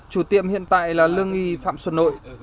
chủ tiệm hiện tại là lương nghi phạm xuân nội